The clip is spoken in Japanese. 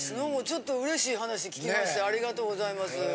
ちょっとうれしい話聞きましてありがとうございます。